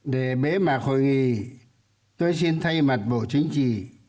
để bế mạc hội nghị tôi xin thay mặt bộ chính trị